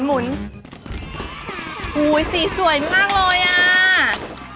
โหสีสวยมากเลยอะ